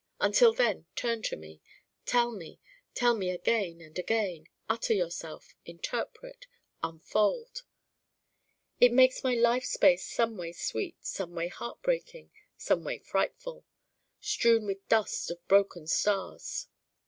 Until then, turn to me. Tell me: tell me again and again. Utter yourself. Interpret. Unfold.' It makes my life space someway sweet, someway heartbreaking, someway frightful strewn with dust of broken stars.